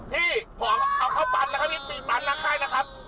ปิดปันน้ำได้นะครับ